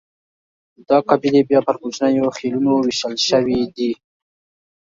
دا قبیلې بیا پر کوچنیو خېلونو وېشل شوې دي.